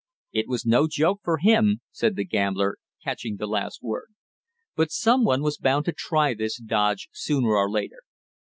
"It was no joke for him!" said the gambler, catching the last word. "But some one was bound to try this dodge sooner or later.